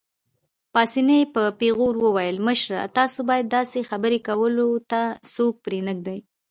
پاسیني په پېغور وویل: مشره، تاسو باید داسې خبرې کولو ته څوک پرېنږدئ.